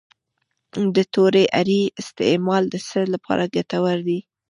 د تورې اریړې استعمال د څه لپاره ګټور دی؟